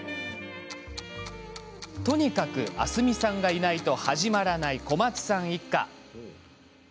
とにかく、明日海さんがいないと始まらない小松さん一家。